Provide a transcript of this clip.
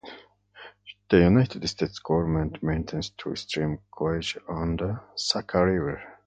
The United States government maintains two stream gauges on the Saco river.